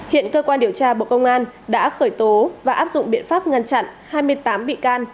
hiện cơ quan điều tra bộ công an đã khởi tố và áp dụng biện pháp ngăn chặn hai mươi tám bị can